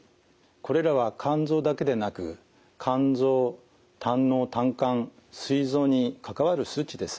これらは肝臓だけでなく肝臓胆のう・胆管すい臓に関わる数値です。